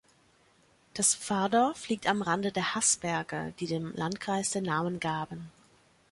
Das Pfarrdorf liegt am Rande der Haßberge, die dem Landkreis den Namen gaben.